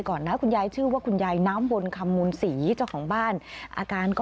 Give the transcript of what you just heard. คุณยายนะค่ะคุณยาย